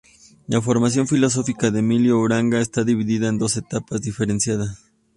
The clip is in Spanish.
La formación filosófica de Emilio Uranga está dividida en dos etapas diferenciadas.